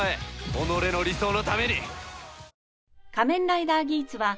己の理想のために！